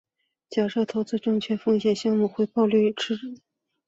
假设投资债券等无风险项目的回报率是已知的。